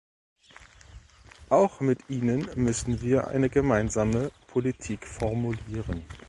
Auch mit ihnen müssen wir eine gemeinsame Politik formulieren.